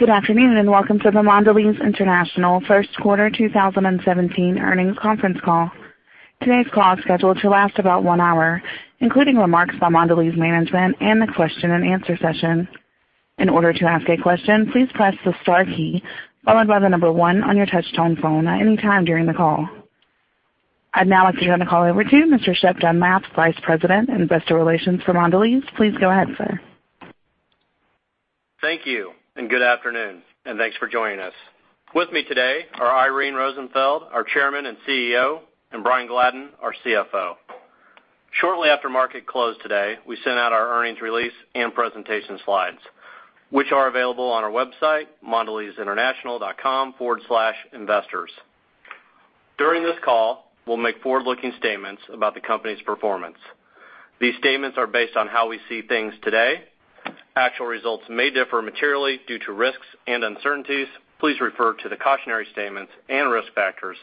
Good afternoon, welcome to the Mondelez International First Quarter 2017 earnings conference call. Today's call is scheduled to last about one hour, including remarks by Mondelez management and the question-and-answer session. In order to ask a question, please press the star key followed by the number 1 on your touch-tone phone at any time during the call. I'd now like to turn the call over to Mr. Shep Dunlap, Vice President and Investor Relations for Mondelez. Please go ahead, sir. Thank you, good afternoon, and thanks for joining us. With me today are Irene Rosenfeld, our Chairman and CEO, and Brian Gladden, our CFO. Shortly after market close today, we sent out our earnings release and presentation slides, which are available on our website, mondelezinternational.com/investors. During this call, we'll make forward-looking statements about the company's performance. These statements are based on how we see things today. Actual results may differ materially due to risks and uncertainties. Please refer to the cautionary statements and risk factors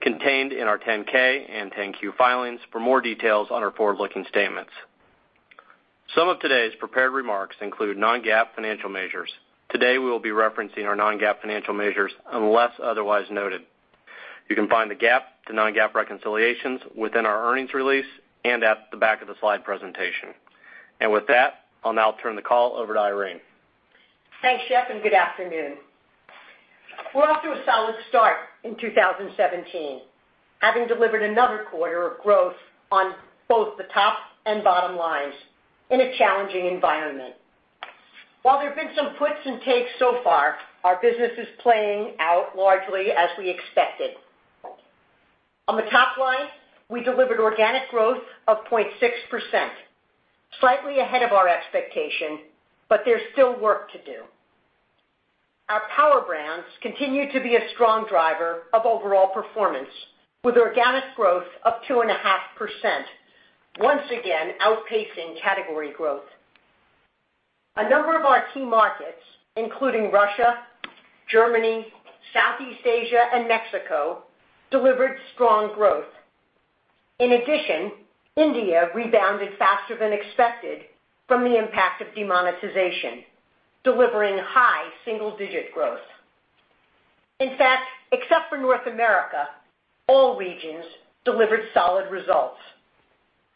contained in our 10-K and 10-Q filings for more details on our forward-looking statements. Some of today's prepared remarks include non-GAAP financial measures. Today, we will be referencing our non-GAAP financial measures unless otherwise noted. You can find the GAAP to non-GAAP reconciliations within our earnings release and at the back of the slide presentation. With that, I'll now turn the call over to Irene. Thanks, Shep, good afternoon. We're off to a solid start in 2017, having delivered another quarter of growth on both the top and bottom lines in a challenging environment. While there have been some puts and takes so far, our business is playing out largely as we expected. On the top line, we delivered organic growth of 0.6%, slightly ahead of our expectation, but there's still work to do. Our power brands continue to be a strong driver of overall performance, with organic growth up 2.5%, once again outpacing category growth. A number of our key markets, including Russia, Germany, Southeast Asia, and Mexico, delivered strong growth. In addition, India rebounded faster than expected from the impact of demonetization, delivering high single-digit growth. In fact, except for North America, all regions delivered solid results.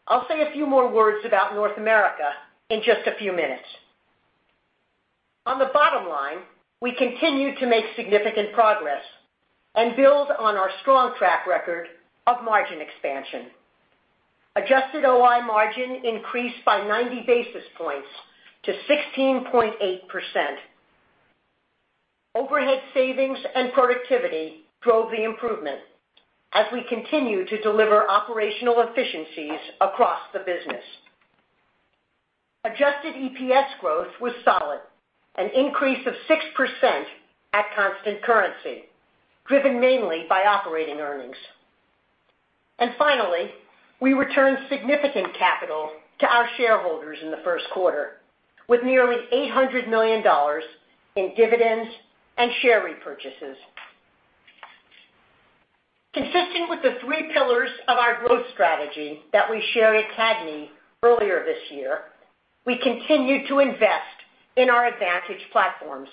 I'll say a few more words about North America in just a few minutes. On the bottom line, we continue to make significant progress and build on our strong track record of margin expansion. Adjusted OI margin increased by 90 basis points to 16.8%. Overhead savings and productivity drove the improvement as we continue to deliver operational efficiencies across the business. Adjusted EPS growth was solid, an increase of 6% at constant currency, driven mainly by operating earnings. Finally, we returned significant capital to our shareholders in the first quarter with nearly $800 million in dividends and share repurchases. Consistent with the three pillars of our growth strategy that we shared at CAGNY earlier this year, we continue to invest in our advantage platforms.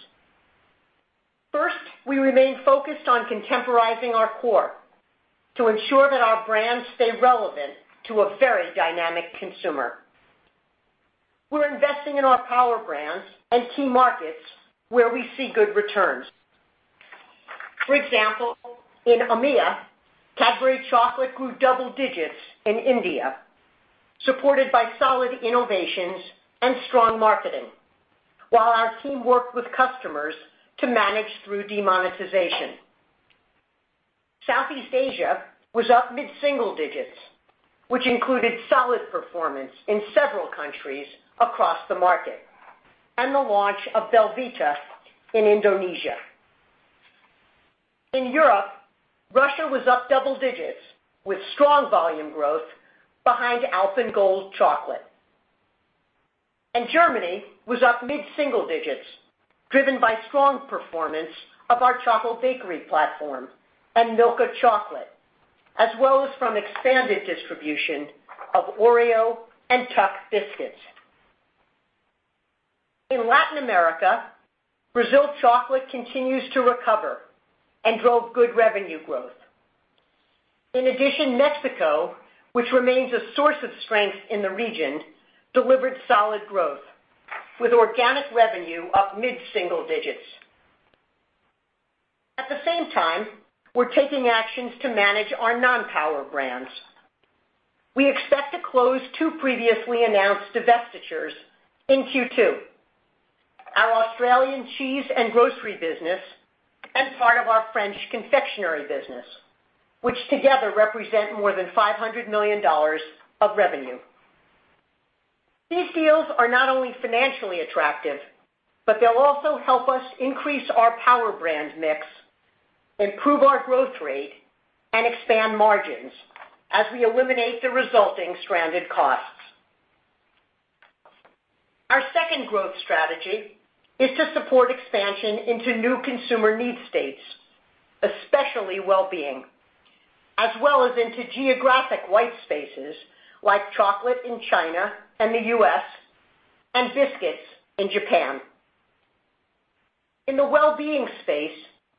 First, we remain focused on contemporizing our core to ensure that our brands stay relevant to a very dynamic consumer. We're investing in our power brands and key markets where we see good returns. For example, in EMEA, Cadbury chocolate grew double digits in India, supported by solid innovations and strong marketing, while our team worked with customers to manage through demonetization. Southeast Asia was up mid-single digits, which included solid performance in several countries across the market and the launch of Belvita in Indonesia. In Europe, Russia was up double digits with strong volume growth behind Alpen Gold chocolate. Germany was up mid-single digits, driven by strong performance of our chocolate bakery platform and Milka chocolate, as well as from expanded distribution of Oreo and TUC biscuits. In Latin America, Brazil chocolate continues to recover and drove good revenue growth. In addition, Mexico, which remains a source of strength in the region, delivered solid growth with organic revenue up mid-single digits. At the same time, we're taking actions to manage our non-power brands. We expect to close two previously announced divestitures in Q2, our Australian cheese and grocery business and part of our French confectionery business, which together represent more than $500 million of revenue. These deals are not only financially attractive, they'll also help us increase our power brand mix, improve our growth rate, and expand margins as we eliminate the resulting stranded costs. Our second growth strategy is to support expansion into new consumer need states, specially wellbeing, as well as into geographic white spaces like chocolate in China and the U.S., and biscuits in Japan. In the wellbeing space,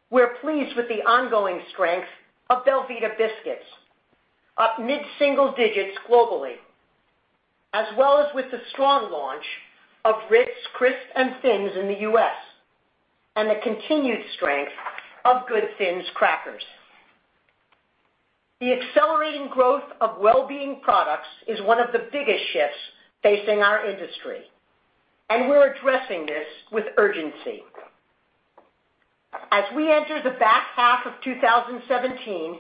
we're pleased with the ongoing strength of Belvita biscuits, up mid-single digits globally, as well as with the strong launch of Ritz Crisp & Thins in the U.S., and the continued strength of Good Thins crackers. The accelerating growth of wellbeing products is one of the biggest shifts facing our industry. We're addressing this with urgency. As we enter the back half of 2017,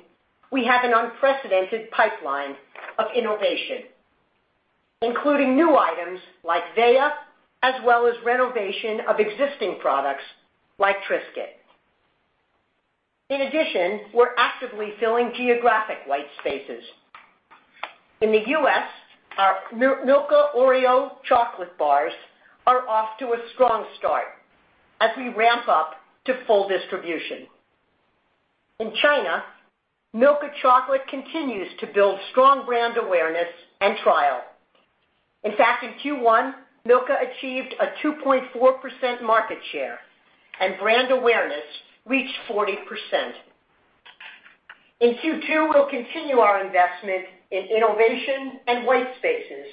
we have an unprecedented pipeline of innovation, including new items like Véa, as well as renovation of existing products like Triscuit. In addition, we're actively filling geographic white spaces. In the U.S., our Milka Oreo chocolate bars are off to a strong start as we ramp up to full distribution. In China, Milka chocolate continues to build strong brand awareness and trial. In fact, in Q1, Milka achieved a 2.4% market share and brand awareness reached 40%. In Q2, we'll continue our investment in innovation and white spaces,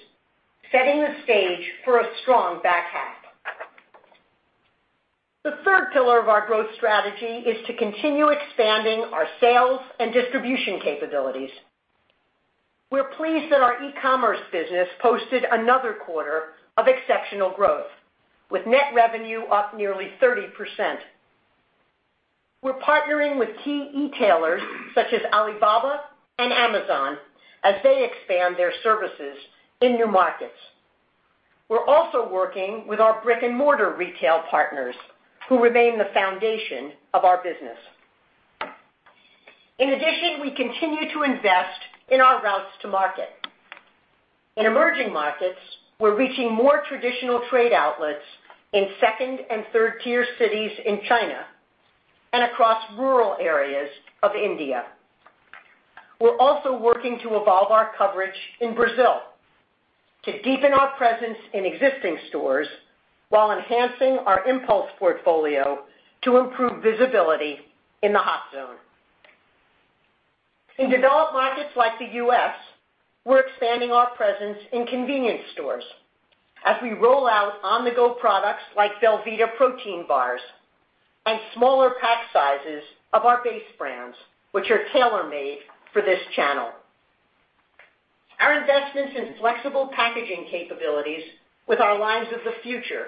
setting the stage for a strong back half. The third pillar of our growth strategy is to continue expanding our sales and distribution capabilities. We're pleased that our e-commerce business posted another quarter of exceptional growth with net revenue up nearly 30%. We're partnering with key e-tailers such as Alibaba and Amazon as they expand their services in new markets. We're also working with our brick-and-mortar retail partners who remain the foundation of our business. In addition, we continue to invest in our routes to market. In emerging markets, we're reaching more traditional trade outlets in second and third-tier cities in China and across rural areas of India. We're also working to evolve our coverage in Brazil to deepen our presence in existing stores while enhancing our impulse portfolio to improve visibility in the hot zone. In developed markets like the U.S., we're expanding our presence in convenience stores as we roll out on-the-go products like belVita Protein bars and smaller pack sizes of our base brands, which are tailor-made for this channel. Our investments in flexible packaging capabilities with our lines of the future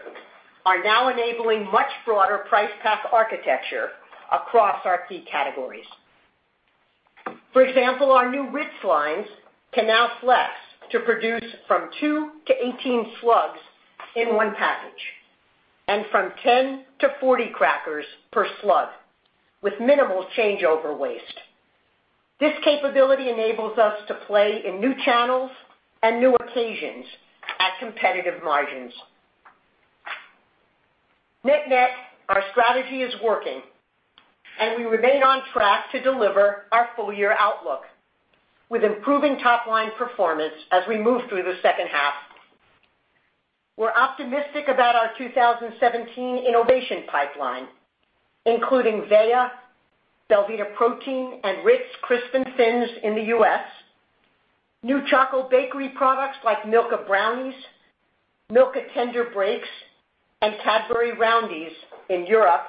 are now enabling much broader price pack architecture across our key categories. For example, our new Ritz lines can now flex to produce from two to 18 slugs in one package, and from 10 to 40 crackers per slug with minimal changeover waste. This capability enables us to play in new channels and new occasions at competitive margins. Net net, our strategy is working, and we remain on track to deliver our full-year outlook with improving top-line performance as we move through the second half. We're optimistic about our 2017 innovation pipeline, including Véa, belVita Protein, and Ritz Crisp & Thins in the U.S., new chocolate bakery products like Milka Brownies, Milka Tender Break, and Cadbury Roundie in Europe,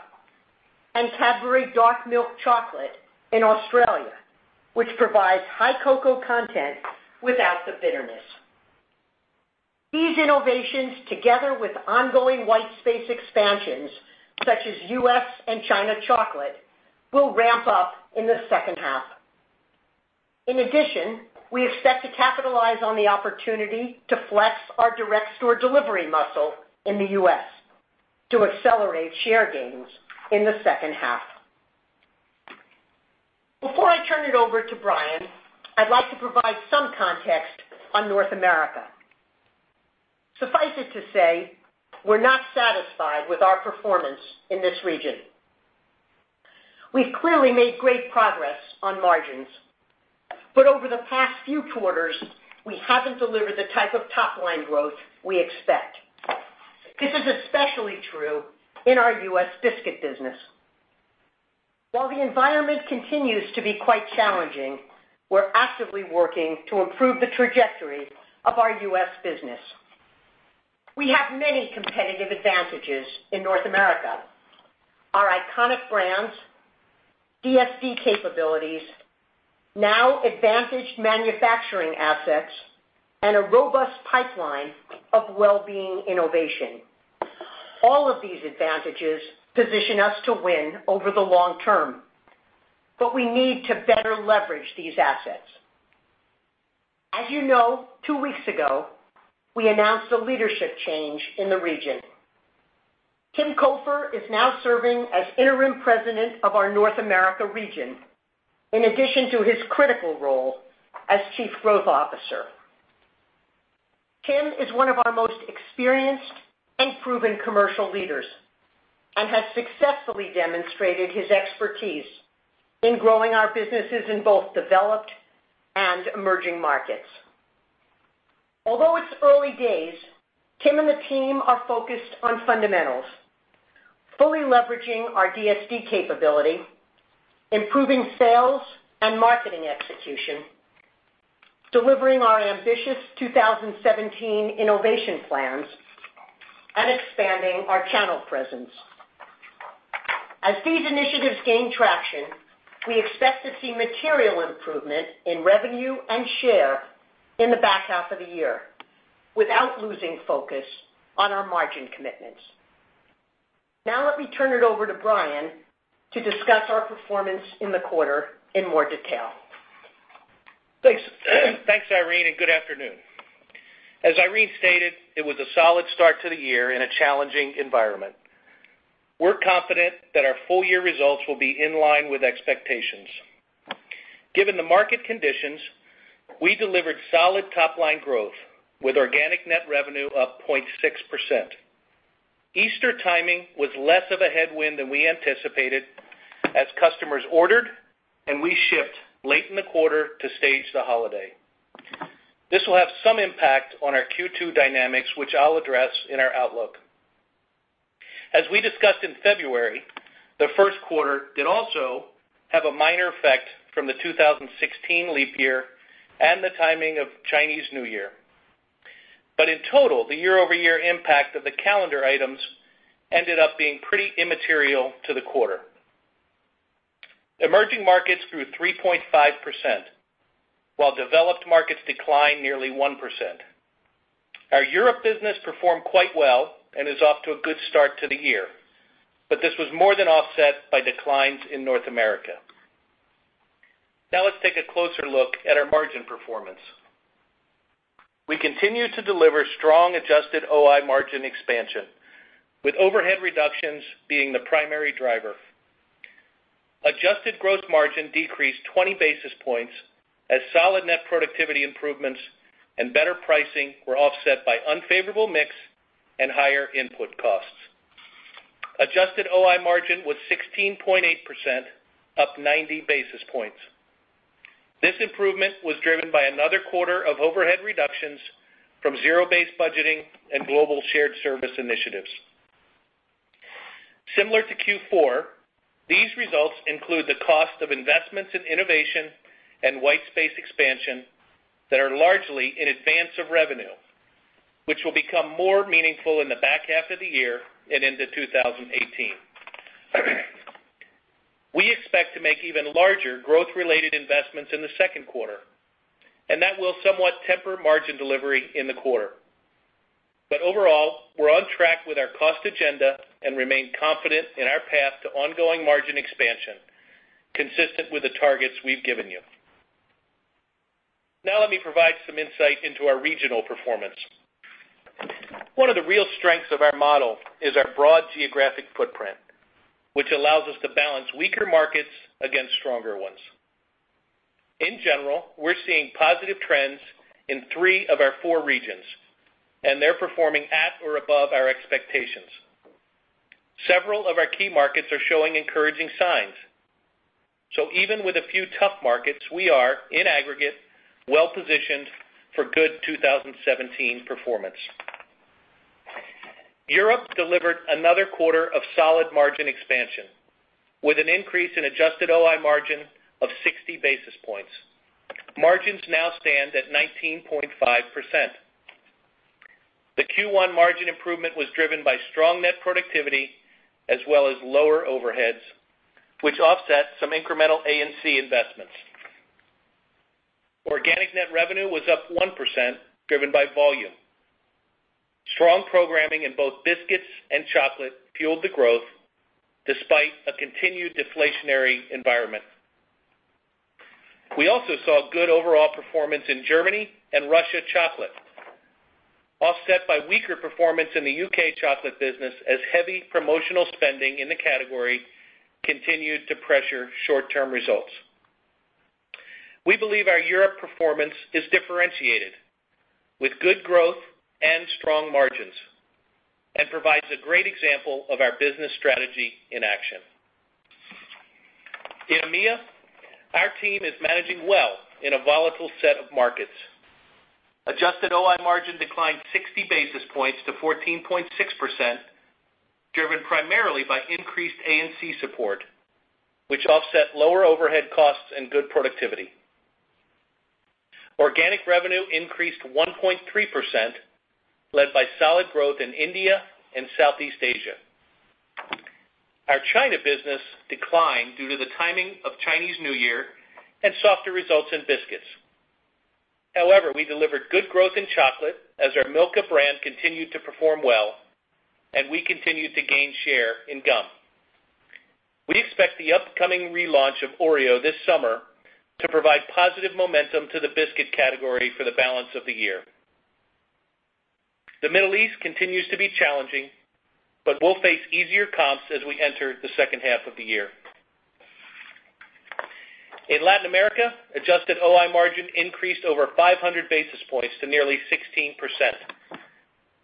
and Cadbury Darkmilk Chocolate in Australia, which provides high cocoa content without the bitterness. These innovations, together with ongoing white space expansions such as U.S. and China chocolate, will ramp up in the second half. In addition, we expect to capitalize on the opportunity to flex our direct store delivery muscle in the U.S. to accelerate share gains in the second half. Before I turn it over to Brian, I'd like to provide some context on North America. Suffice it to say, we're not satisfied with our performance in this region. We've clearly made great progress on margins, but over the past few quarters, we haven't delivered the type of top-line growth we expect. This is especially true in our U.S. biscuit business. While the environment continues to be quite challenging, we're actively working to improve the trajectory of our U.S. business. We have many competitive advantages in North America. Our iconic brands, DSD capabilities, now advantaged manufacturing assets, and a robust pipeline of wellbeing innovation. All of these advantages position us to win over the long term, but we need to better leverage these assets. As you know, two weeks ago, we announced a leadership change in the region. Tim Cofer is now serving as Interim President of our North America region, in addition to his critical role as Chief Growth Officer. Tim is one of our most experienced and proven commercial leaders and has successfully demonstrated his expertise in growing our businesses in both developed and emerging markets. Although it's early days, Tim and the team are focused on fundamentals, fully leveraging our DSD capability, improving sales and marketing execution, delivering our ambitious 2017 innovation plans, and expanding our channel presence. As these initiatives gain traction, we expect to see material improvement in revenue and share in the back half of the year without losing focus on our margin commitments. Let me turn it over to Brian to discuss our performance in the quarter in more detail. Thanks, Irene. Good afternoon. As Irene stated, it was a solid start to the year in a challenging environment. We're confident that our full-year results will be in line with expectations. Given the market conditions, we delivered solid top-line growth with organic net revenue up 0.6%. Easter timing was less of a headwind than we anticipated as customers ordered, and we shipped late in the quarter to stage the holiday. This will have some impact on our Q2 dynamics, which I'll address in our outlook. As we discussed in February, the first quarter did also have a minor effect from the 2016 leap year and the timing of Chinese New Year. In total, the year-over-year impact of the calendar items ended up being pretty immaterial to the quarter. Emerging markets grew 3.5%, while developed markets declined nearly 1%. Our Europe business performed quite well and is off to a good start to the year, but this was more than offset by declines in North America. Let's take a closer look at our margin performance. We continue to deliver strong adjusted OI margin expansion, with overhead reductions being the primary driver. Adjusted gross margin decreased 20 basis points as solid net productivity improvements and better pricing were offset by unfavorable mix and higher input costs. Adjusted OI margin was 16.8%, up 90 basis points. This improvement was driven by another quarter of overhead reductions from zero-based budgeting and global shared service initiatives. Similar to Q4, these results include the cost of investments in innovation and white space expansion that are largely in advance of revenue, which will become more meaningful in the back half of the year and into 2018. We expect to make even larger growth-related investments in the second quarter, and that will somewhat temper margin delivery in the quarter. Overall, we're on track with our cost agenda and remain confident in our path to ongoing margin expansion consistent with the targets we've given you. Let me provide some insight into our regional performance. One of the real strengths of our model is our broad geographic footprint, which allows us to balance weaker markets against stronger ones. In general, we're seeing positive trends in three of our four regions, and they're performing at or above our expectations. Several of our key markets are showing encouraging signs. Even with a few tough markets, we are, in aggregate, well-positioned for good 2017 performance. Europe delivered another quarter of solid margin expansion with an increase in adjusted OI margin of 60 basis points. Margins now stand at 19.5%. The Q1 margin improvement was driven by strong net productivity as well as lower overheads, which offset some incremental A&C investments. Organic net revenue was up 1%, driven by volume. Strong programming in both biscuits and chocolate fueled the growth despite a continued deflationary environment. We also saw good overall performance in Germany and Russia chocolate, offset by weaker performance in the U.K. chocolate business as heavy promotional spending in the category continued to pressure short-term results. We believe our Europe performance is differentiated with good growth and strong margins and provides a great example of our business strategy in action. In EMEA, our team is managing well in a volatile set of markets. Adjusted OI margin declined 60 basis points to 14.6%, driven primarily by increased A&C support, which offset lower overhead costs and good productivity. Organic revenue increased 1.3%, led by solid growth in India and Southeast Asia. Our China business declined due to the timing of Chinese New Year and softer results in biscuits. However, we delivered good growth in chocolate as our Milka brand continued to perform well, and we continued to gain share in gum. We expect the upcoming relaunch of Oreo this summer to provide positive momentum to the biscuit category for the balance of the year. The Middle East continues to be challenging, but we'll face easier comps as we enter the second half of the year. In Latin America, adjusted OI margin increased over 500 basis points to nearly 16%,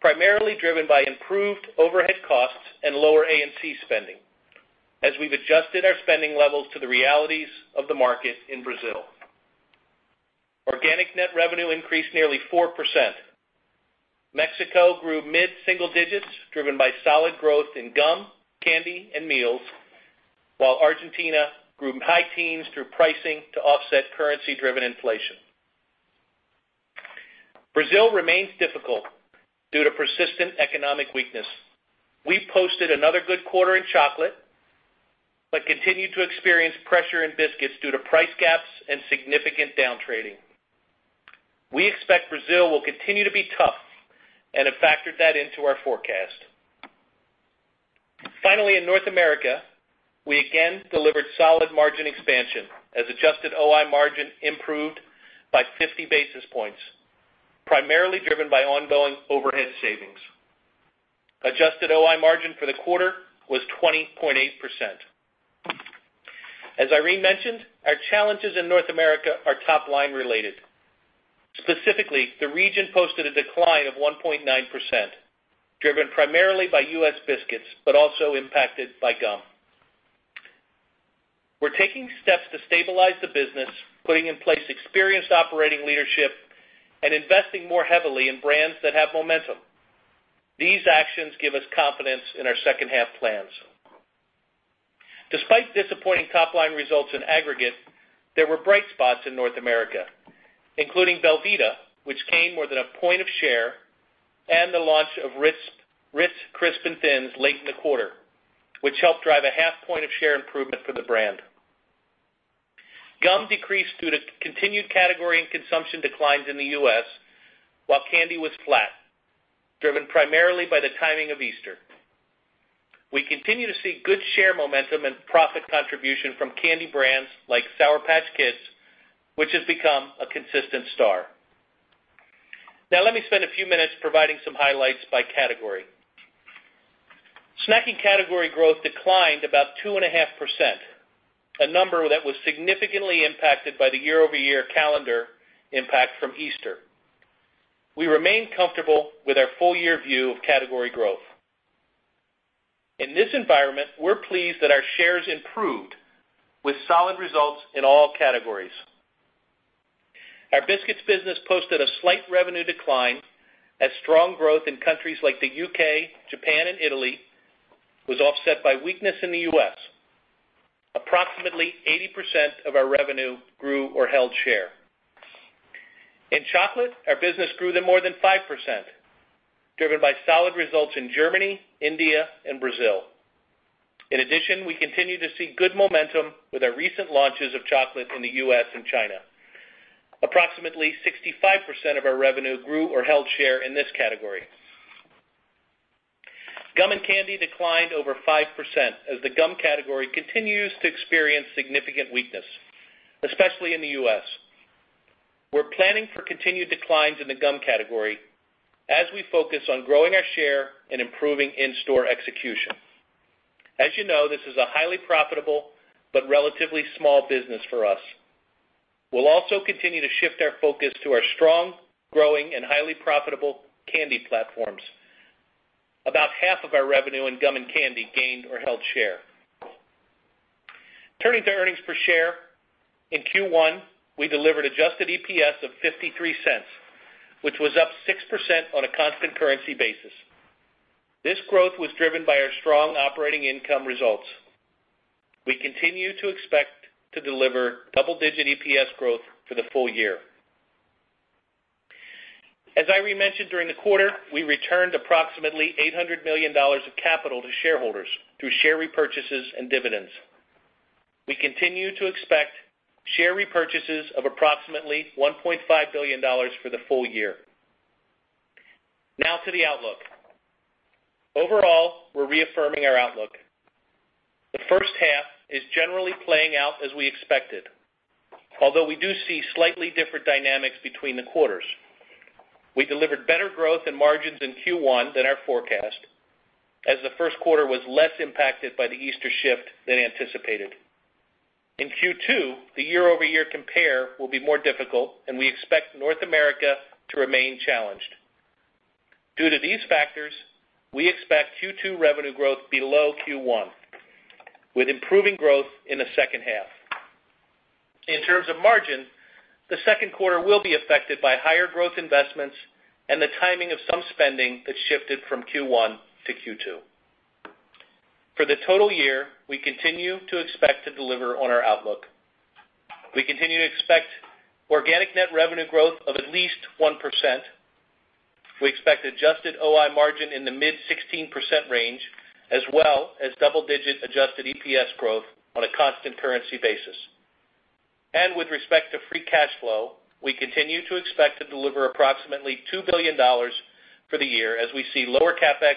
primarily driven by improved overhead costs and lower A&C spending as we've adjusted our spending levels to the realities of the market in Brazil. Organic net revenue increased nearly 4%. Mexico grew mid-single digits, driven by solid growth in gum, candy, and Meals, while Argentina grew high teens through pricing to offset currency-driven inflation. Brazil remains difficult due to persistent economic weakness. We posted another good quarter in chocolate but continued to experience pressure in biscuits due to price gaps and significant down-trading. We expect Brazil will continue to be tough and have factored that into our forecast. Finally, in North America, we again delivered solid margin expansion as adjusted OI margin improved by 50 basis points, primarily driven by ongoing overhead savings. Adjusted OI margin for the quarter was 20.8%. As Irene mentioned, our challenges in North America are top-line related. Specifically, the region posted a decline of 1.9%, driven primarily by U.S. biscuits, but also impacted by gum. We're taking steps to stabilize the business, putting in place experienced operating leadership, and investing more heavily in brands that have momentum. These actions give us confidence in our second half plans. Despite disappointing top-line results in aggregate, there were bright spots in North America, including belVita, which gained more than a point of share, and the launch of Ritz Crisp & Thins late in the quarter, which helped drive a half point of share improvement for the brand. Gum decreased due to continued category and consumption declines in the U.S., while candy was flat, driven primarily by the timing of Easter. We continue to see good share momentum and profit contribution from candy brands like Sour Patch Kids, which has become a consistent star. Now let me spend a few minutes providing some highlights by category. Snacking category growth declined about 2.5%, a number that was significantly impacted by the year-over-year calendar impact from Easter. We remain comfortable with our full-year view of category growth. In this environment, we're pleased that our shares improved with solid results in all categories. Our biscuits business posted a slight revenue decline as strong growth in countries like the U.K., Japan, and Italy was offset by weakness in the U.S. Approximately 80% of our revenue grew or held share. In chocolate, our business grew to more than 5%, driven by solid results in Germany, India, and Brazil. In addition, we continue to see good momentum with our recent launches of chocolate in the U.S. and China. Approximately 65% of our revenue grew or held share in this category. Gum and candy declined over 5% as the gum category continues to experience significant weakness, especially in the U.S. We're planning for continued declines in the gum category as we focus on growing our share and improving in-store execution. As you know, this is a highly profitable but relatively small business for us. We'll also continue to shift our focus to our strong, growing, and highly profitable candy platforms. About half of our revenue in gum and candy gained or held share. Turning to earnings per share. In Q1, we delivered adjusted EPS of $0.53, which was up 6% on a constant currency basis. This growth was driven by our strong operating income results. We continue to expect to deliver double-digit EPS growth for the full year. As Irene mentioned, during the quarter, we returned approximately $800 million of capital to shareholders through share repurchases and dividends. We continue to expect share repurchases of approximately $1.5 billion for the full year. To the outlook. Overall, we're reaffirming our outlook. The first half is generally playing out as we expected, although we do see slightly different dynamics between the quarters. We delivered better growth and margins in Q1 than our forecast, as the first quarter was less impacted by the Easter shift than anticipated. In Q2, the year-over-year compare will be more difficult, and we expect North America to remain challenged. Due to these factors, we expect Q2 revenue growth below Q1, with improving growth in the second half. In terms of margin, the second quarter will be affected by higher growth investments and the timing of some spending that shifted from Q1 to Q2. For the total year, we continue to expect to deliver on our outlook. We continue to expect organic net revenue growth of at least 1%. We expect adjusted OI margin in the mid-16% range, as well as double-digit adjusted EPS growth on a constant currency basis. With respect to free cash flow, we continue to expect to deliver approximately $2 billion for the year as we see lower CapEx,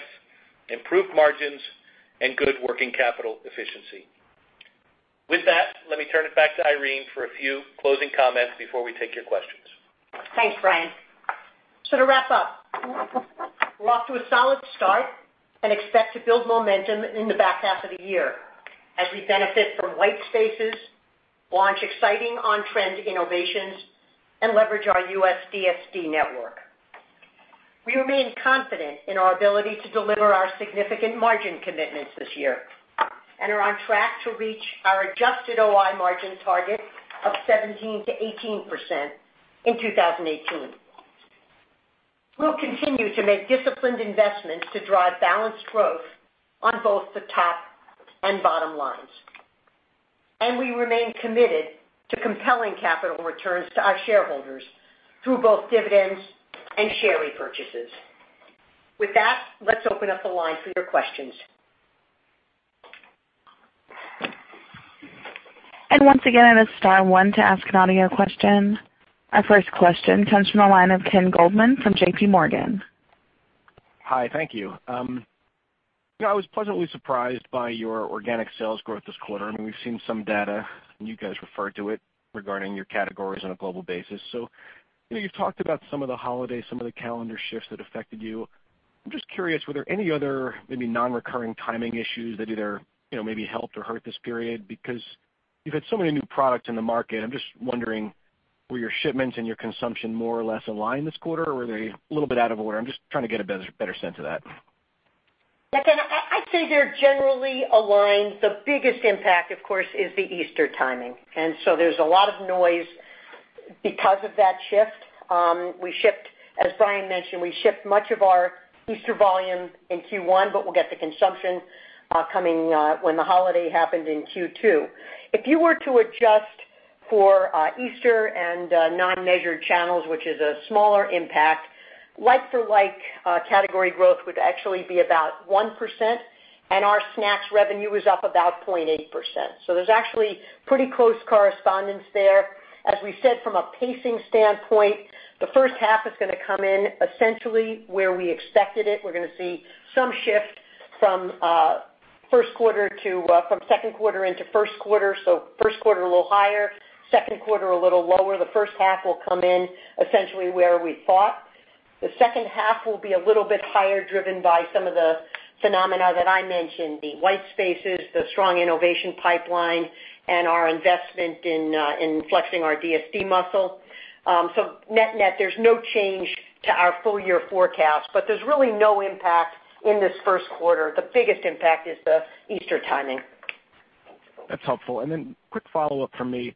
improved margins, and good working capital efficiency. With that, let me turn it back to Irene for a few closing comments before we take your questions. Thanks, Brian. To wrap up, we're off to a solid start and expect to build momentum in the back half of the year as we benefit from white spaces, launch exciting on-trend innovations, and leverage our U.S. DSD network. We remain confident in our ability to deliver our significant margin commitments this year and are on track to reach our adjusted OI margin target of 17%-18% in 2018. We'll continue to make disciplined investments to drive balanced growth on both the top and bottom lines. We remain committed to compelling capital returns to our shareholders through both dividends and share repurchases. With that, let's open up the line for your questions. Once again, it is star one to ask Nadia a question. Our first question comes from the line of Ken Goldman from JPMorgan. Hi, thank you. I was pleasantly surprised by your organic sales growth this quarter. We've seen some data, and you guys referred to it regarding your categories on a global basis. You've talked about some of the holidays, some of the calendar shifts that affected you. I'm just curious, were there any other maybe non-recurring timing issues that either maybe helped or hurt this period? Because you've had so many new products in the market, I'm just wondering, were your shipments and your consumption more or less aligned this quarter, or were they a little bit out of order? I'm just trying to get a better sense of that. Ken, I'd say they're generally aligned. The biggest impact, of course, is the Easter timing. There's a lot of noise because of that shift. As Brian mentioned, we shipped much of our Easter volume in Q1, but we'll get the consumption coming when the holiday happened in Q2. If you were to adjust for Easter and non-measured channels, which is a smaller impact, like-for-like category growth would actually be about 1%. Our snacks revenue was up about 0.8%. There's actually pretty close correspondence there. As we said from a pacing standpoint, the first half is going to come in essentially where we expected it. We're going to see some shift from second quarter into first quarter, so first quarter a little higher, second quarter a little lower. The first half will come in essentially where we thought. The second half will be a little bit higher, driven by some of the phenomena that I mentioned, the white spaces, the strong innovation pipeline, and our investment in flexing our DSD muscle. Net-net, there's no change to our full year forecast, but there's really no impact in this first quarter. The biggest impact is the Easter timing. That's helpful. Quick follow-up from me.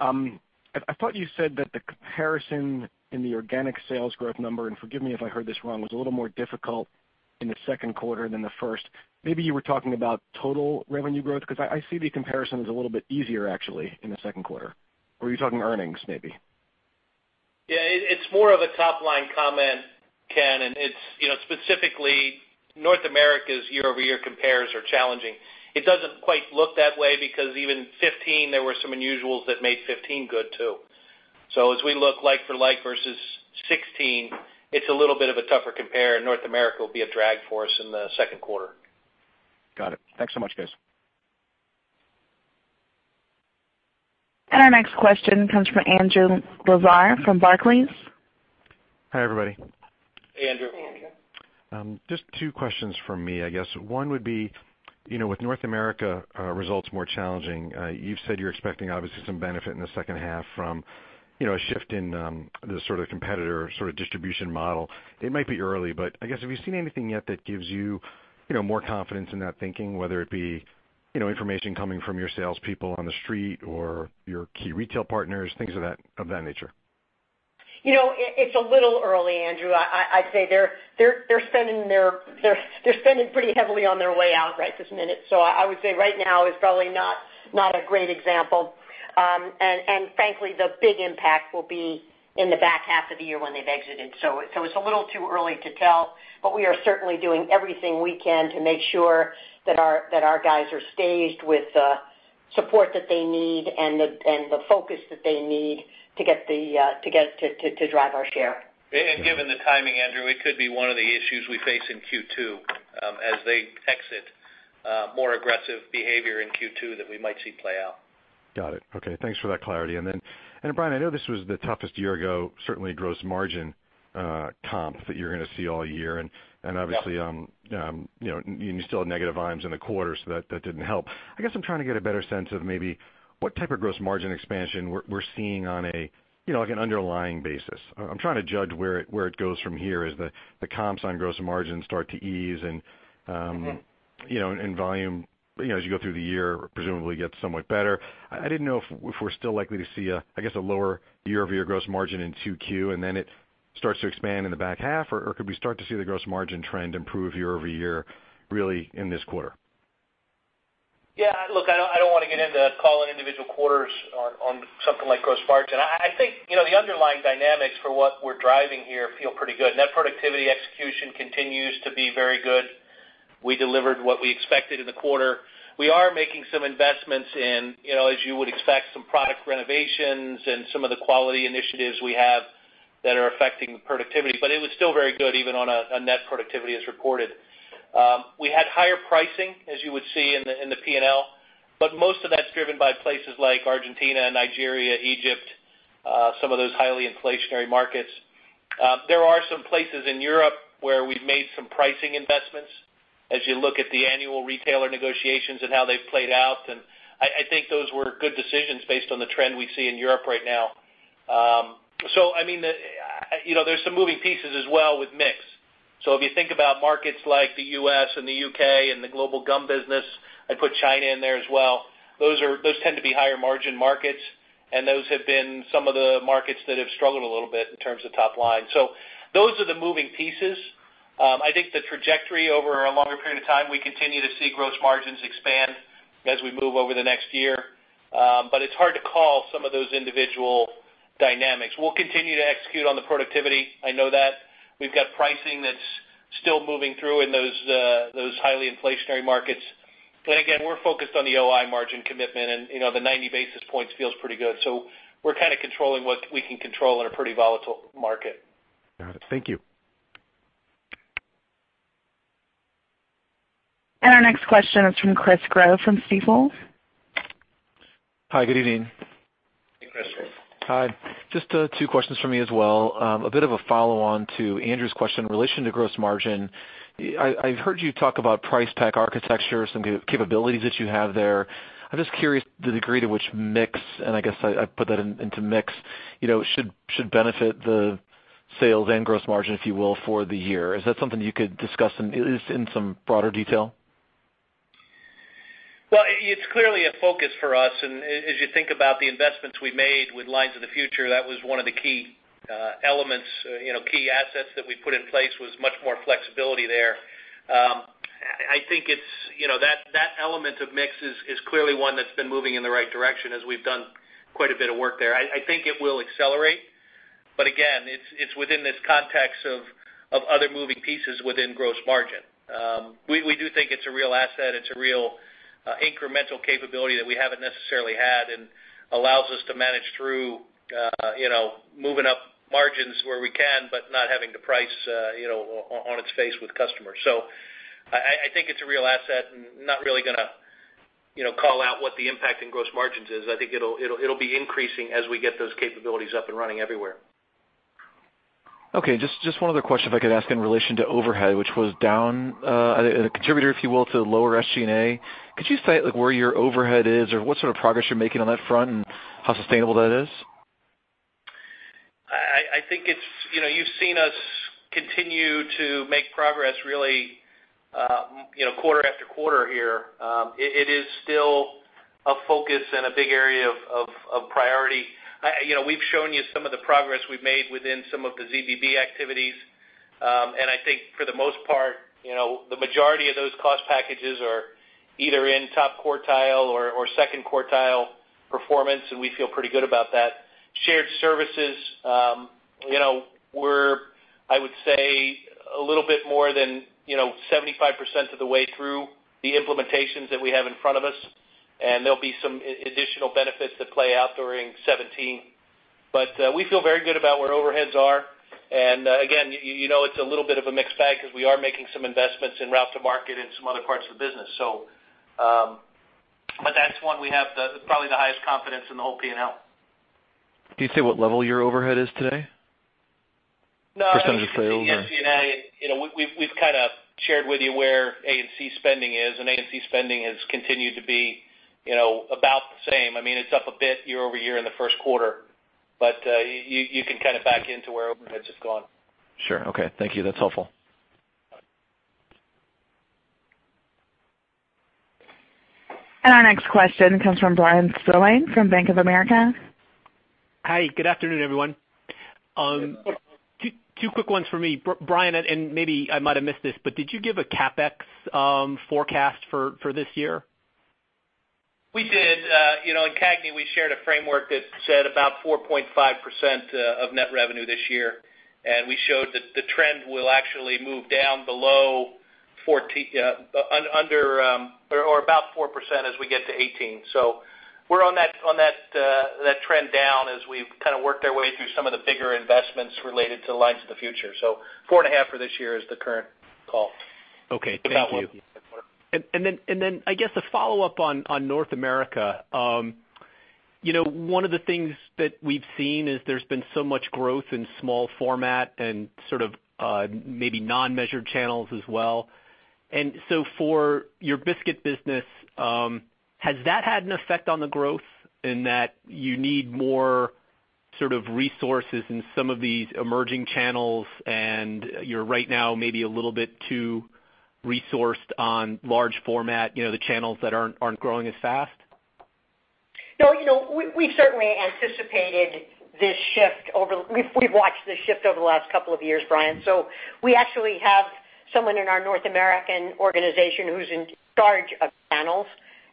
I thought you said that the comparison in the organic sales growth number, and forgive me if I heard this wrong, was a little more difficult in the second quarter than the first. Maybe you were talking about total revenue growth, because I see the comparison as a little bit easier actually in the second quarter. Were you talking earnings maybe? It's more of a top-line comment, Ken. It's specifically North America's year-over-year compares are challenging. It doesn't quite look that way because even 2015 there were some unusuals that made 2015 good too. As we look like-for-like versus 2016, it's a little bit of a tougher compare and North America will be a drag for us in the second quarter. Got it. Thanks so much, guys. Our next question comes from Andrew Lazar from Barclays. Hi, everybody. Hey, Andrew. Hey, Andrew. Just two questions from me, I guess. One would be, with North America results more challenging, you've said you're expecting obviously some benefit in the second half from a shift in the competitor distribution model. It might be early, but I guess, have you seen anything yet that gives you more confidence in that thinking, whether it be information coming from your salespeople on the street or your key retail partners, things of that nature? It's a little early, Andrew. I'd say they're spending pretty heavily on their way out right this minute. I would say right now is probably not a great example. Frankly, the big impact will be in the back half of the year when they've exited. It's a little too early to tell, but we are certainly doing everything we can to make sure that our guys are staged with the support that they need and the focus that they need to drive our share. Given the timing, Andrew, it could be one of the issues we face in Q2 as they exit more aggressive behavior in Q2 that we might see play out. Got it. Okay, thanks for that clarity. Brian, I know this was the toughest year-ago, certainly gross margin comp that you're going to see all year. Yep. Obviously you still have negative volumes in the quarter, so that didn't help. I guess I'm trying to get a better sense of maybe what type of gross margin expansion we're seeing on an underlying basis. I'm trying to judge where it goes from here as the comps on gross margin start to ease. Volume as you go through the year presumably gets somewhat better. I didn't know if we're still likely to see, I guess, a lower year-over-year gross margin in 2Q and then it starts to expand in the back half, or could we start to see the gross margin trend improve year-over-year really in this quarter? Yeah, look, I don't want to get into calling individual quarters on something like gross margin. I think the underlying dynamics for what we're driving here feel pretty good. Net productivity execution continues to be very good. We delivered what we expected in the quarter. We are making some investments in, as you would expect, some product renovations and some of the quality initiatives we have that are affecting productivity. It was still very good even on a net productivity as reported. We had higher pricing, as you would see in the P&L. Most of that's driven by places like Argentina, Nigeria, Egypt, some of those highly inflationary markets. There are some places in Europe where we've made some pricing investments as you look at the annual retailer negotiations and how they've played out, I think those were good decisions based on the trend we see in Europe right now. There's some moving pieces as well with mix. If you think about markets like the U.S. and the U.K. and the global gum business, I'd put China in there as well, those tend to be higher margin markets, and those have been some of the markets that have struggled a little bit in terms of top line. Those are the moving pieces. I think the trajectory over a longer period of time, we continue to see gross margins expand as we move over the next year. It's hard to call some of those individual dynamics. We'll continue to execute on the productivity, I know that. We've got pricing that's still moving through in those highly inflationary markets. Again, we're focused on the OI margin commitment, and the 90 basis points feels pretty good. We're kind of controlling what we can control in a pretty volatile market. Got it. Thank you. Our next question is from Chris Growe from Stifel. Hi, good evening. Hey, Chris. Hi. Just two questions from me as well. A bit of a follow-on to Andrew's question in relation to gross margin. I've heard you talk about price pack architecture, some capabilities that you have there. I'm just curious the degree to which mix, and I guess I put that into mix, should benefit the sales and gross margin, if you will, for the year. Is that something you could discuss at least in some broader detail? Well, it's clearly a focus for us. As you think about the investments we made with lines of the future, that was one of the key elements, key assets that we put in place was much more flexibility there. I think that element of mix is clearly one that's been moving in the right direction as we've done quite a bit of work there. I think it will accelerate. Again, it's within this context of other moving pieces within gross margin. We do think it's a real asset. It's a real incremental capability that we haven't necessarily had and allows us to manage through moving up margins where we can, but not having to price on its face with customers. I think it's a real asset and not really going to call out what the impact in gross margins is. I think it'll be increasing as we get those capabilities up and running everywhere. Okay, just one other question if I could ask in relation to overhead, which was down, a contributor, if you will, to the lower SG&A. Could you cite where your overhead is or what sort of progress you're making on that front and how sustainable that is? You've seen us continue to make progress really quarter after quarter here. It is still a focus and a big area of priority. We've shown you some of the progress we've made within some of the ZBB activities. I think for the most part the majority of those cost packages are either in top quartile or second quartile performance, and we feel pretty good about that. Shared services, we're, I would say, a little bit more than 75% of the way through the implementations that we have in front of us, and there'll be some additional benefits that play out during 2017. We feel very good about where overheads are. Again, it's a little bit of a mixed bag because we are making some investments in route to market in some other parts of the business. That's one we have probably the highest confidence in the whole P&L. Can you say what level your overhead is today? No, I mean Just trying to say overhead looking at SG&A, we've kind of shared with you where A&C spending is, and A&C spending has continued to be about the same. I mean, it's up a bit year-over-year in the first quarter, but you can kind of back into where overheads have gone. Sure. Okay. Thank you. That's helpful. Our next question comes from Bryan Spillane from Bank of America. Hi, good afternoon, everyone. Two quick ones for me. Brian, maybe I might have missed this, did you give a CapEx forecast for this year? We did. In CAGNY, we shared a framework that said about 4.5% of net revenue this year, we showed that the trend will actually move down below or about 4% as we get to 2018. We're on that trend down as we've kind of worked our way through some of the bigger investments related to lines of the future. 4.5% for this year is the current call. Okay. Thank you. About what we said before. I guess a follow-up on North America. One of the things that we've seen is there's been so much growth in small format and sort of maybe non-measured channels as well. For your biscuit business, has that had an effect on the growth in that you need more sort of resources in some of these emerging channels and you're right now maybe a little bit too resourced on large format, the channels that aren't growing as fast? No, we've certainly anticipated this shift. We've watched this shift over the last couple of years, Brian. We actually have someone in our North American organization who's in charge of channels,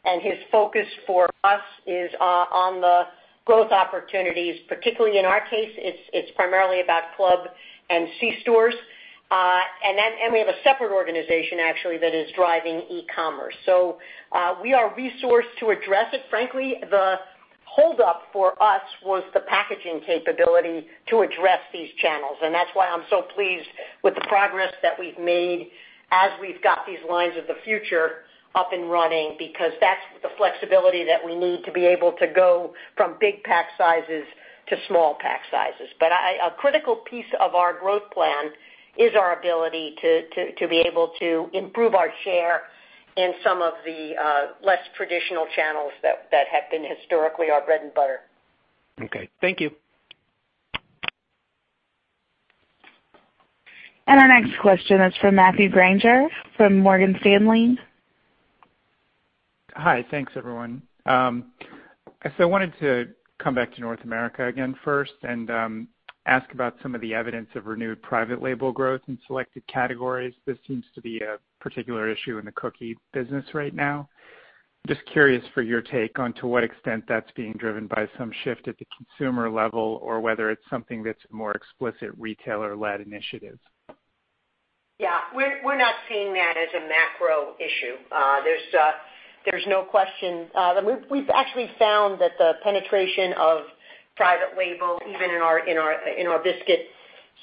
and his focus for us is on the growth opportunities. Particularly in our case, it's primarily about club and C stores. We have a separate organization actually that is driving e-commerce. We are resourced to address it, frankly. The hold up for us was the packaging capability to address these channels. That's why I'm so pleased with the progress that we've made as we've got these lines of the future up and running, because that's the flexibility that we need to be able to go from big pack sizes to small pack sizes. A critical piece of our growth plan is our ability to be able to improve our share in some of the less traditional channels that have been historically our bread and butter. Okay, thank you. Our next question is from Matthew Grainger from Morgan Stanley. Hi. Thanks, everyone. I wanted to come back to North America again first and ask about some of the evidence of renewed private label growth in selected categories. This seems to be a particular issue in the cookie business right now. Just curious for your take on to what extent that's being driven by some shift at the consumer level or whether it's something that's more explicit retailer-led initiatives. Yeah. We're not seeing that as a macro issue. There's no question. We've actually found that the penetration of private label, even in our biscuit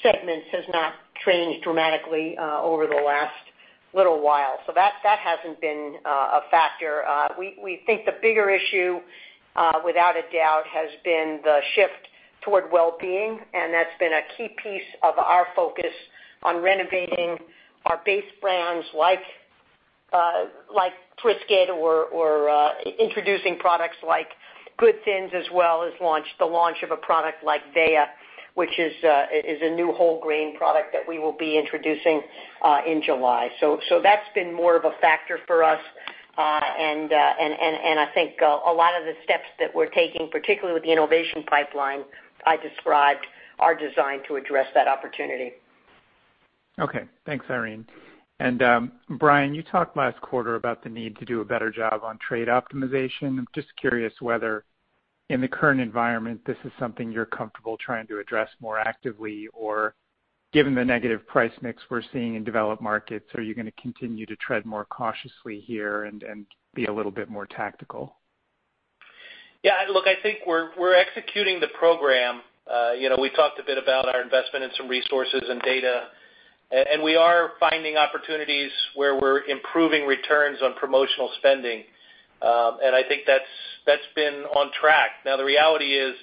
segments, has not changed dramatically over the last little while. That hasn't been a factor. We think the bigger issue, without a doubt, has been the shift toward well-being, and that's been a key piece of our focus on renovating our base brands like Triscuit or introducing products like Good Thins as well as the launch of a product like Véa, which is a new whole grain product that we will be introducing in July. That's been more of a factor for us. I think a lot of the steps that we're taking, particularly with the innovation pipeline I described, are designed to address that opportunity. Okay. Thanks, Irene. Brian, you talked last quarter about the need to do a better job on trade optimization. I'm just curious whether in the current environment, this is something you're comfortable trying to address more actively, or given the negative price mix we're seeing in developed markets, are you going to continue to tread more cautiously here and be a little bit more tactical? Yeah, look, I think we're executing the program. We talked a bit about our investment in some resources and data. We are finding opportunities where we're improving returns on promotional spending. I think that's been on track. Now the reality is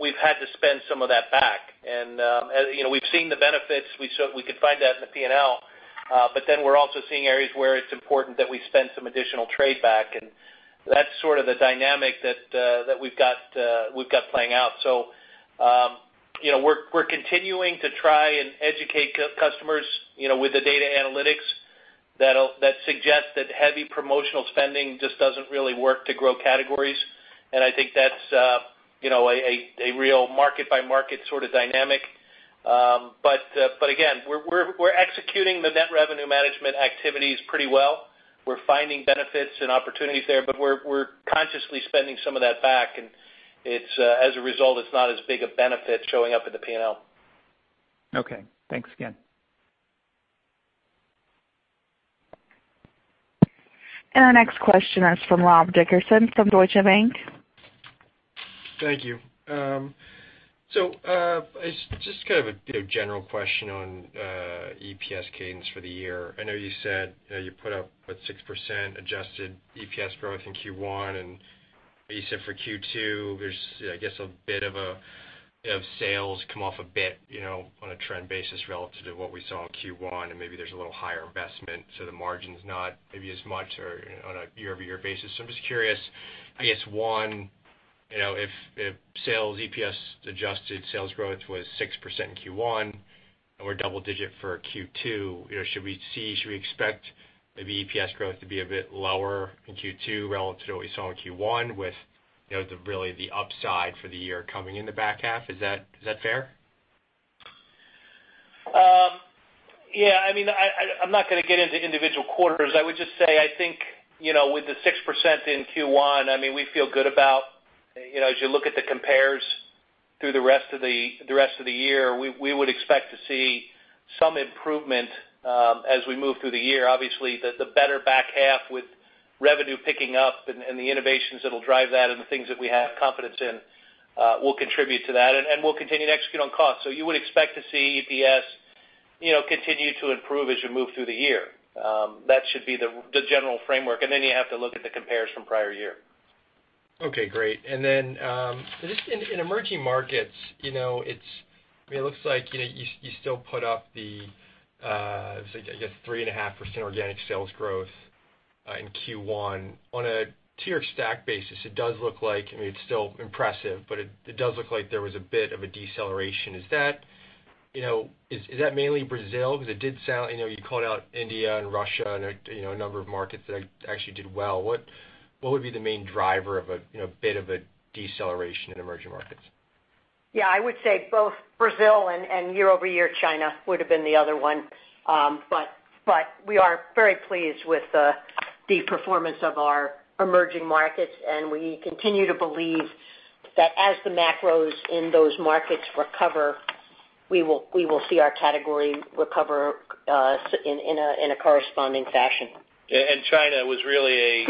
we've had to spend some of that back and we've seen the benefits. We could find that in the P&L. We're also seeing areas where it's important that we spend some additional trade back, and that's sort of the dynamic that we've got playing out. We're continuing to try and educate customers with the data analytics that suggest that heavy promotional spending just doesn't really work to grow categories. I think that's a real market by market sort of dynamic. Again, we're executing the net revenue management activities pretty well. We're finding benefits and opportunities there, but we're consciously spending some of that back, and as a result, it's not as big a benefit showing up in the P&L. Okay, thanks again. Our next question is from Rob Dickerson from Deutsche Bank. Thank you. Just kind of a general question on EPS cadence for the year. I know you said you put up what, 6% adjusted EPS growth in Q1 and you said for Q2, there's, I guess, a bit of sales come off a bit on a trend basis relative to what we saw in Q1, and maybe there's a little higher investment, so the margin's not maybe as much or on a year-over-year basis. I'm just curious, I guess one, if sales EPS adjusted sales growth was 6% in Q1 and we're double digit for Q2, should we expect the EPS growth to be a bit lower in Q2 relative to what we saw in Q1 with really the upside for the year coming in the back half? Is that fair? Yeah, I'm not going to get into individual quarters. I would just say, I think with the 6% in Q1, we feel good about as you look at the compares through the rest of the year, we would expect to see some improvement as we move through the year. Obviously, the better back half with revenue picking up and the innovations that'll drive that and the things that we have confidence in will contribute to that and we'll continue to execute on cost. You would expect to see EPS continue to improve as you move through the year. That should be the general framework. Then you have to look at the compares from prior year. Okay, great. Just in emerging markets, it looks like you still put up the, I guess 3.5% organic sales growth in Q1. On a tier stack basis, it does look like it's still impressive, but it does look like there was a bit of a deceleration. Is that mainly Brazil? You called out India and Russia and a number of markets that actually did well. What would be the main driver of a bit of a deceleration in emerging markets? Yeah, I would say both Brazil and year-over-year China would have been the other one. We are very pleased with the performance of our emerging markets and we continue to believe that as the macros in those markets recover, we will see our category recover in a corresponding fashion. Yeah. China was really a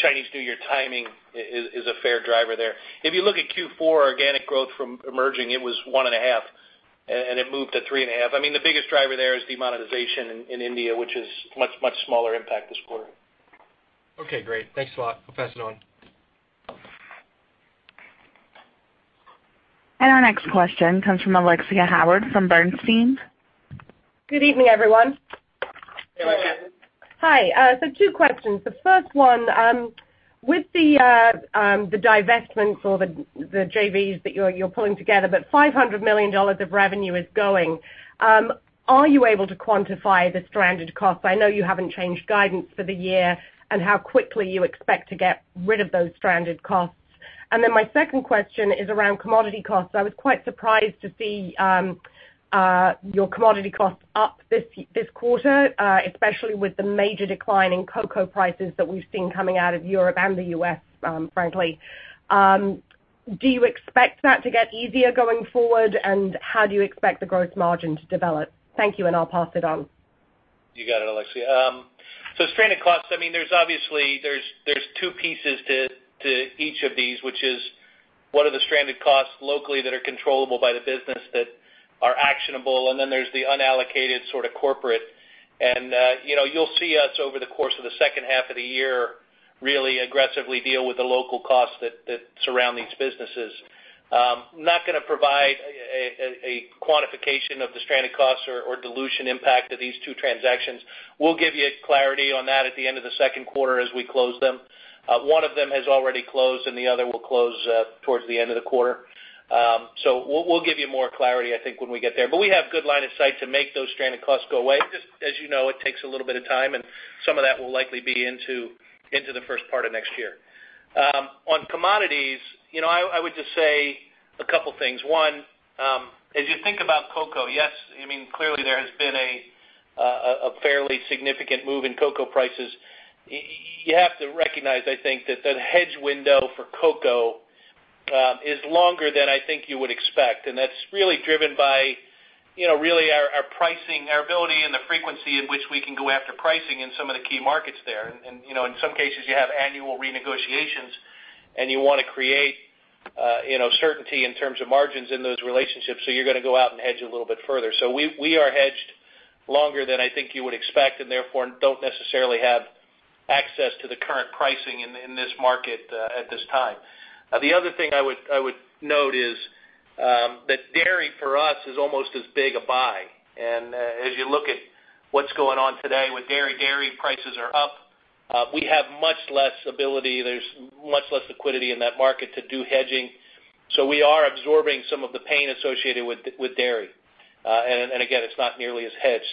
Chinese New Year timing is a fair driver there. If you look at Q4 organic growth from emerging, it was one and a half, and it moved to three and a half. The biggest driver there is demonetization in India, which is much smaller impact this quarter. Okay, great. Thanks a lot. I'll pass it on. Our next question comes from Alexia Howard from Bernstein. Good evening, everyone. Good evening. Hi. Two questions. The first one, with the divestments or the JVs that you're pulling together, about $500 million of revenue is going. Are you able to quantify the stranded costs? I know you haven't changed guidance for the year, and how quickly you expect to get rid of those stranded costs. My second question is around commodity costs. I was quite surprised to see your commodity costs up this quarter, especially with the major decline in cocoa prices that we've seen coming out of Europe and the U.S., frankly. Do you expect that to get easier going forward, and how do you expect the gross margin to develop? Thank you, I'll pass it on. You got it, Alexia. Stranded costs, there's obviously two pieces to each of these, which is, what are the stranded costs locally that are controllable by the business that are actionable, and then there's the unallocated sort of corporate. You'll see us over the course of the second half of the year really aggressively deal with the local costs that surround these businesses. I'm not going to provide a quantification of the stranded costs or dilution impact of these two transactions. We'll give you clarity on that at the end of the second quarter as we close them. One of them has already closed, and the other will close towards the end of the quarter. We'll give you more clarity, I think, when we get there. We have good line of sight to make those stranded costs go away. Just as you know, it takes a little bit of time, and some of that will likely be into the first part of next year. On commodities, I would just say a couple things. One, as you think about cocoa, yes, clearly there has been a fairly significant move in cocoa prices. You have to recognize, I think, that the hedge window for cocoa is longer than I think you would expect. That's really driven by really our pricing, our ability, and the frequency in which we can go after pricing in some of the key markets there. In some cases, you have annual renegotiations, and you want to create certainty in terms of margins in those relationships. You're going to go out and hedge a little bit further. We are hedged longer than I think you would expect, and therefore don't necessarily have access to the current pricing in this market at this time. The other thing I would note is that dairy for us is almost as big a buy. As you look at what's going on today with dairy prices are up. We have much less ability. There's much less liquidity in that market to do hedging. We are absorbing some of the pain associated with dairy. Again, it's not nearly as hedged.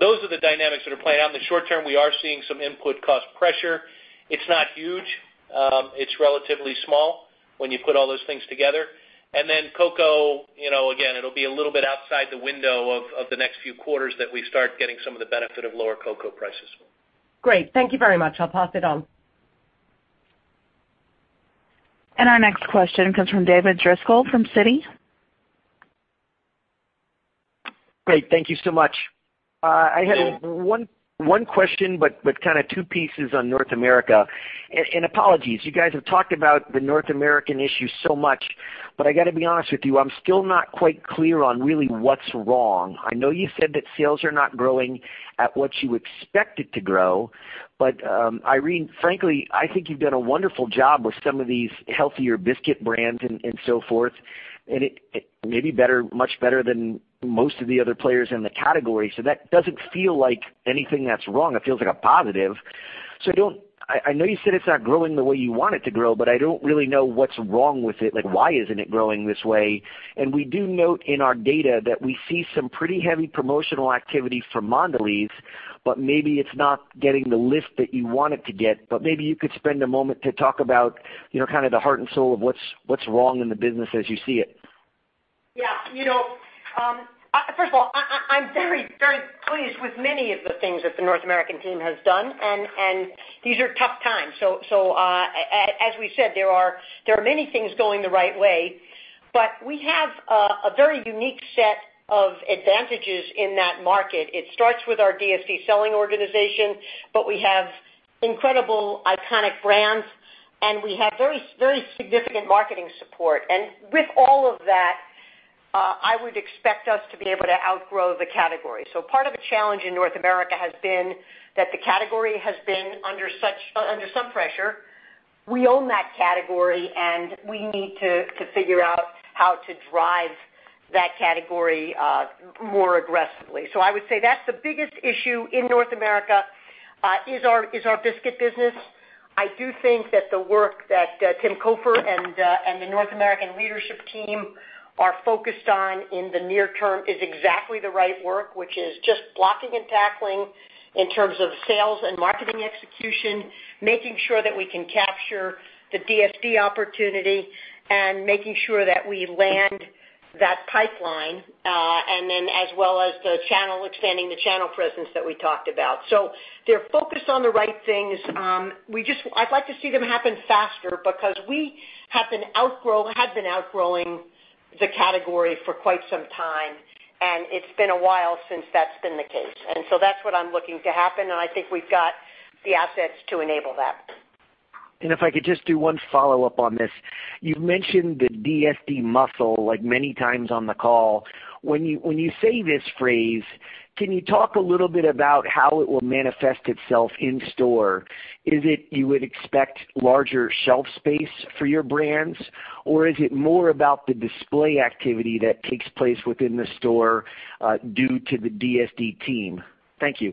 Those are the dynamics that are playing out. In the short term, we are seeing some input cost pressure. It's not huge. It's relatively small when you put all those things together. Cocoa, again, it'll be a little bit outside the window of the next few quarters that we start getting some of the benefit of lower cocoa prices. Great. Thank you very much. I'll pass it on. Our next question comes from David Driscoll from Citi. Great. Thank you so much. I had one question, but kind of two pieces on North America. Apologies, you guys have talked about the North American issue so much, I got to be honest with you, I'm still not quite clear on really what's wrong. I know you said that sales are not growing at what you expected to grow, Irene, frankly, I think you've done a wonderful job with some of these healthier biscuit brands and so forth, and it may be much better than most of the other players in the category. That doesn't feel like anything that's wrong. It feels like a positive. I know you said it's not growing the way you want it to grow, I don't really know what's wrong with it. Why isn't it growing this way? We do note in our data that we see some pretty heavy promotional activity for Mondelez, but maybe it's not getting the lift that you want it to get. Maybe you could spend a moment to talk about the heart and soul of what's wrong in the business as you see it. Yeah. First of all, I'm very pleased with many of the things that the North American team has done. These are tough times. As we said, there are many things going the right way, but we have a very unique set of advantages in that market. It starts with our DSD selling organization, but we have incredible iconic brands. We have very significant marketing support. With all of that, I would expect us to be able to outgrow the category. Part of the challenge in North America has been that the category has been under some pressure. We own that category, and we need to figure out how to drive that category more aggressively. I would say that's the biggest issue in North America is our biscuit business. I do think that the work that Tim Cofer and the North American leadership team are focused on in the near term is exactly the right work, which is just blocking and tackling in terms of sales and marketing execution, making sure that we can capture the DSD opportunity, and making sure that we land that pipeline, and then as well as the channel, expanding the channel presence that we talked about. They're focused on the right things. I'd like to see them happen faster because we had been outgrowing the category for quite some time, and it's been a while since that's been the case. That's what I'm looking to happen, and I think we've got the assets to enable that. If I could just do one follow-up on this, you've mentioned the DSD muscle, like many times on the call. When you say this phrase, can you talk a little bit about how it will manifest itself in store? Is it you would expect larger shelf space for your brands, or is it more about the display activity that takes place within the store, due to the DSD team? Thank you.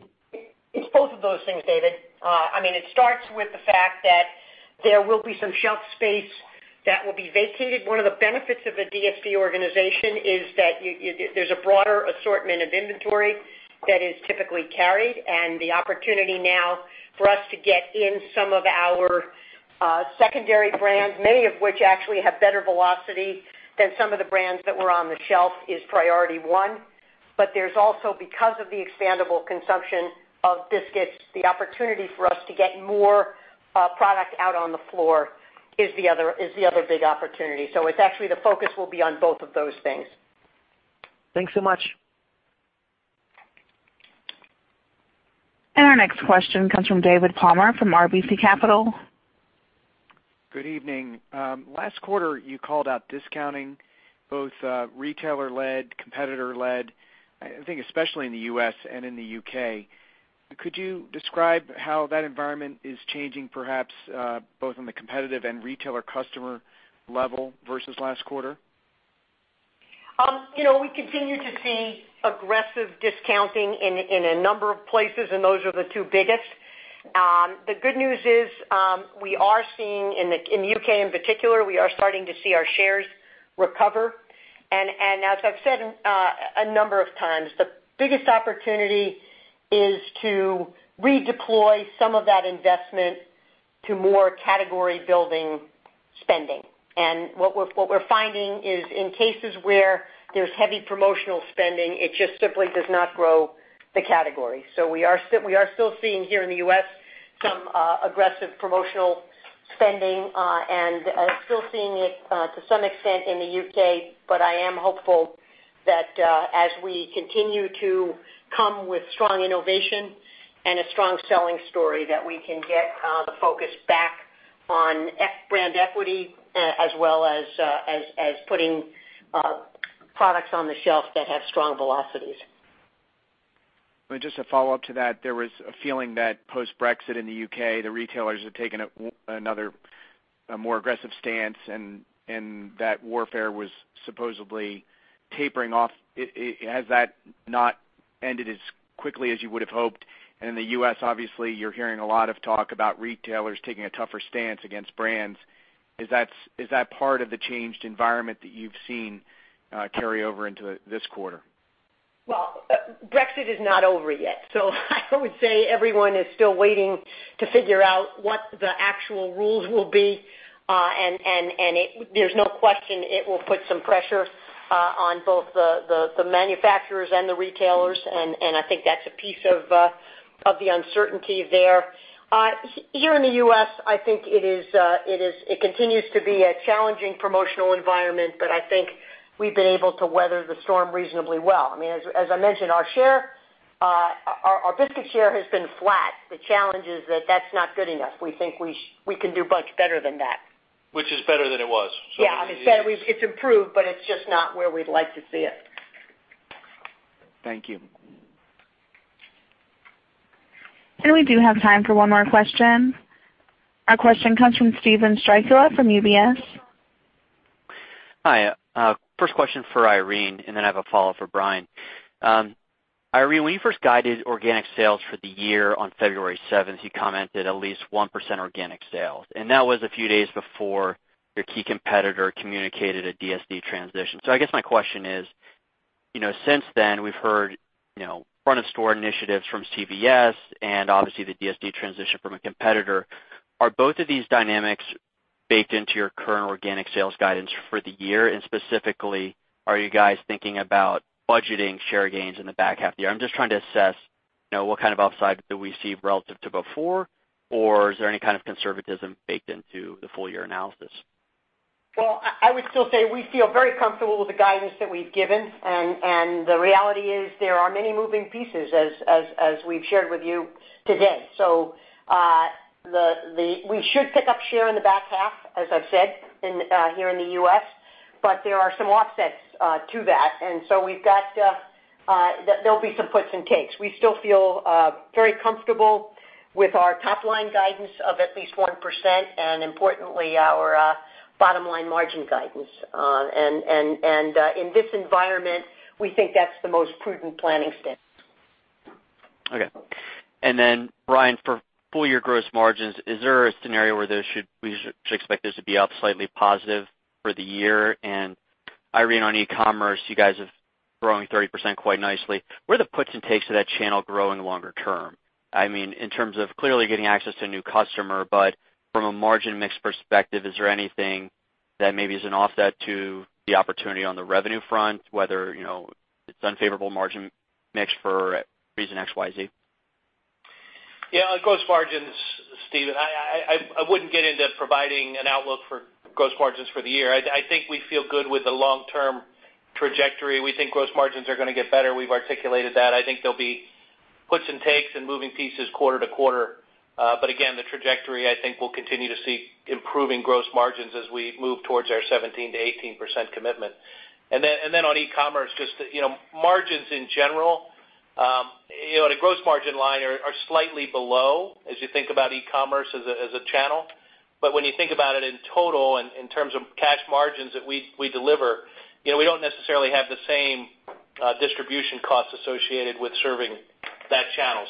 It's both of those things, David. It starts with the fact that there will be some shelf space that will be vacated. One of the benefits of a DSD organization is that there's a broader assortment of inventory that is typically carried. The opportunity now for us to get in some of our secondary brands, many of which actually have better velocity than some of the brands that were on the shelf, is priority one. There's also, because of the expandable consumption of biscuits, the opportunity for us to get more product out on the floor is the other big opportunity. It's actually the focus will be on both of those things. Thanks so much. Our next question comes from David Palmer from RBC Capital. Good evening. Last quarter you called out discounting, both retailer-led, competitor-led, I think especially in the U.S. and in the U.K. Could you describe how that environment is changing, perhaps both on the competitive and retailer customer level versus last quarter? We continue to see aggressive discounting in a number of places, those are the two biggest. The good news is, we are seeing in the U.K. in particular, we are starting to see our shares recover. As I've said a number of times, the biggest opportunity is to redeploy some of that investment to more category-building spending. What we're finding is in cases where there's heavy promotional spending, it just simply does not grow the category. We are still seeing here in the U.S. some aggressive promotional spending, and are still seeing it, to some extent in the U.K., but I am hopeful that, as we continue to come with strong innovation and a strong selling story, that we can get the focus back on brand equity as well as putting products on the shelf that have strong velocities. Just a follow-up to that, there was a feeling that post-Brexit in the U.K., the retailers have taken a more aggressive stance and that warfare was supposedly tapering off. Has that not ended as quickly as you would have hoped? In the U.S., obviously, you're hearing a lot of talk about retailers taking a tougher stance against brands. Is that part of the changed environment that you've seen carry over into this quarter? Brexit is not over yet. I would say everyone is still waiting to figure out what the actual rules will be. There's no question it will put some pressure on both the manufacturers and the retailers. I think that's a piece of the uncertainty there. Here in the U.S., I think it continues to be a challenging promotional environment, but I think we've been able to weather the storm reasonably well. As I mentioned, our biscuit share has been flat. The challenge is that that's not good enough. We think we can do much better than that. Which is better than it was. Yeah. I said it's improved, but it's just not where we'd like to see it. Thank you. We do have time for one more question. Our question comes from Steven Strycula from UBS. Hi. First question for Irene, then I have a follow-up for Brian. Irene, when you first guided organic sales for the year on February 7th, you commented at least 1% organic sales. That was a few days before your key competitor communicated a DSD transition. I guess my question is, since then, we've heard front-end store initiatives from CVS and obviously the DSD transition from a competitor. Are both of these dynamics baked into your current organic sales guidance for the year? Specifically, are you guys thinking about budgeting share gains in the back half of the year? I'm just trying to assess what kind of upside do we see relative to before, or is there any kind of conservatism baked into the full year analysis? I would still say we feel very comfortable with the guidance that we've given, and the reality is there are many moving pieces as we've shared with you today. We should pick up share in the back half, as I've said, here in the U.S., but there are some offsets to that. There'll be some puts and takes. We still feel very comfortable with our top-line guidance of at least 1%, and importantly, our bottom-line margin guidance. In this environment, we think that's the most prudent planning stance. Okay. Brian, for full-year gross margins, is there a scenario where we should expect this to be up slightly positive for the year? Irene, on e-commerce, you guys have grown 30% quite nicely, where the puts and takes of that channel growing longer term? In terms of clearly getting access to a new customer, but from a margin mix perspective, is there anything that maybe is an offset to the opportunity on the revenue front, whether it's unfavorable margin mix for reason XYZ? Yeah. On gross margins, Steven, I wouldn't get into providing an outlook for gross margins for the year. I think we feel good with the long-term trajectory. We think gross margins are going to get better. We've articulated that. I think there'll be puts and takes and moving pieces quarter to quarter. Again, the trajectory, I think we'll continue to see improving gross margins as we move towards our 17%-18% commitment. On e-commerce, margins in general on a gross margin line are slightly below as you think about e-commerce as a channel. When you think about it in total and in terms of cash margins that we deliver, we don't necessarily have the same distribution costs associated with serving that channel.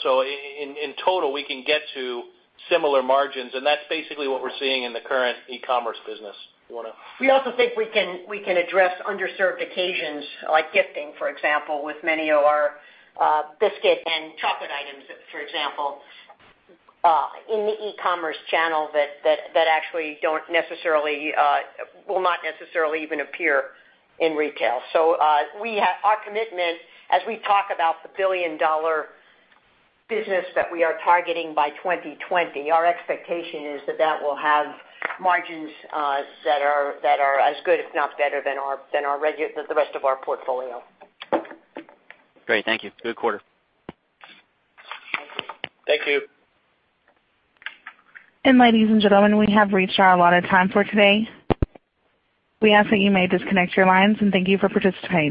In total, we can get to similar margins, and that's basically what we're seeing in the current e-commerce business. You want to- We also think we can address underserved occasions like gifting, for example, with many of our biscuit and chocolate items, for example, in the e-commerce channel that actually will not necessarily even appear in retail. Our commitment as we talk about the billion-dollar business that we are targeting by 2020, our expectation is that that will have margins that are as good, if not better than the rest of our portfolio. Great. Thank you. Good quarter. Thank you. Thank you. Ladies and gentlemen, we have reached our allotted time for today. We ask that you may disconnect your lines, and thank you for participating.